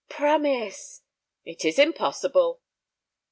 "Promise." "It is impossible."